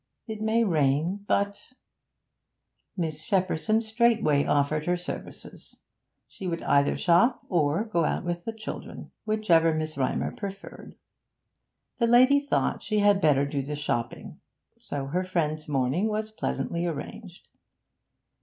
It may rain; but ' Miss Shepperson straightway offered her services; she would either shop or go out with the children, whichever Mrs. Rymer preferred. The lady thought she had better do the shopping so her friend's morning was pleasantly arranged.